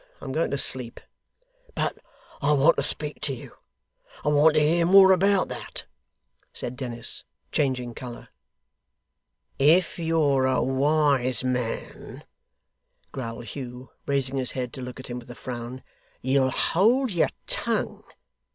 I'm going to sleep.' 'But I want to speak to you; I want to hear more about that,' said Dennis, changing colour. 'If you're a wise man,' growled Hugh, raising his head to look at him with a frown, 'you'll hold your tongue.